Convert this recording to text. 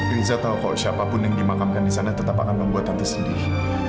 riza tahu kok siapapun yang dimakamkan di sana tetap akan membuat tante sendiri